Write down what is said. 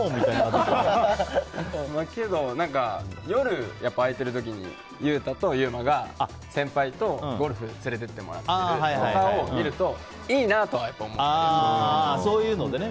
けど、夜空いてる時にゆうたとゆうまが先輩とゴルフに連れて行ってもらったりとかを見ると、いいなとは思ってますね。